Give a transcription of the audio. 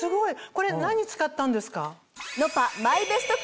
これ何使ったんですか？